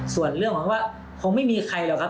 ส่วนเรื่องของว่าคงไม่มีใครหรอกครับ